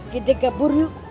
kita kabur yuk